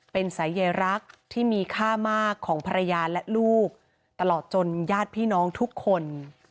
เป็นสายใยรักที่มีค่ามากของภรรยาและลูกตลอดจนญาติพี่น้องทุกคน